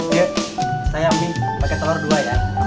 cik sayang nih pakai telur dua ya